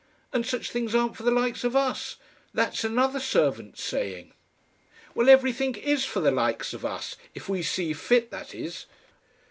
And 'such things aren't for the Likes of Us!' That's another servant's saying. Well, everything IS for the Likes of Us. If we see fit, that is."